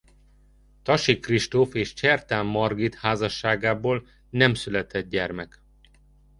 Thassy Kristóf és Csertán Margit házasságából nem született gyermek.